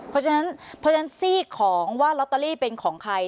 เพราะฉะนั้นซี่ของว่าลอตเตอรี่เป็นของใคร